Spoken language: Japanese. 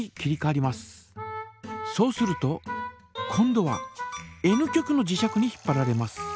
そうすると今度はＮ極の磁石に引っぱられます。